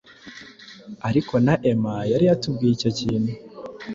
ariko na emma yari yatubwiye icyo kintu